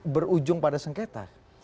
berujung pada sengketa